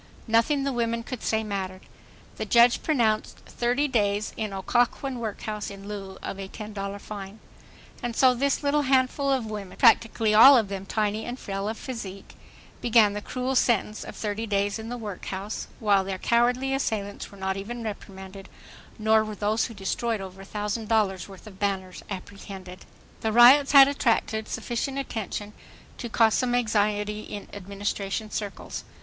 Nothing the women could say mattered. The judge pronounced : "Thirty days in Occoquan workhouse in lieu of a $10.00 fine." And so this little handful of women, practically all of them tiny and frail of physique, began the cruel sentence of 30 days in the workhouse, while their cowardly assailants were not even reprimanded, nor were those who destroyed over a thousand dollars' worth of banners apprehended. The riots had attracted sufficient attention to cause some anxiety in Administration circles.